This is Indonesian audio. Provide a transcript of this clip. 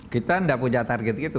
kita tidak punya target itu